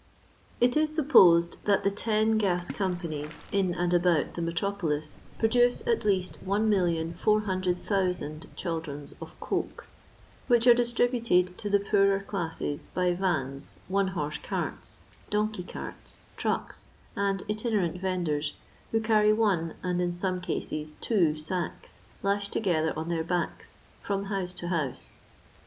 It is supposed that the ten gas companies in and about the metropolis produce at least 1,400,000 chaldrons of coke, which are distributed to the poorer classes by vans, one horse carts, donkey carts, trucks, and itinerant vendors who carry one, and in some cases two sacks lashed together on their backs, from house to house.